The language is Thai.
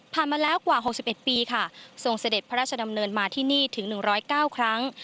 มาแล้วกว่า๖๑ปีค่ะทรงเสด็จพระราชดำเนินมาที่นี่ถึง๑๐๙ครั้ง